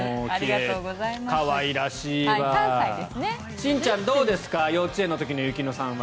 しんちゃん、どうですか幼稚園の時の雪乃さんは。